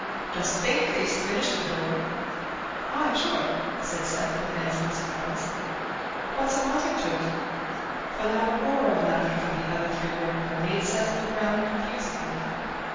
Dost think thee'st finished the door?" "Aye, sure," said Seth, with answering surprise; "what's awanting to't?" A loud roar of laughter from the other three workmen made Seth look round confusedly.